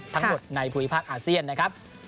ทั้งหมดในภูมิภาคอาเซียนนะครับ